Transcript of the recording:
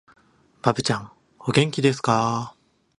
ばぶちゃん、お元気ですかー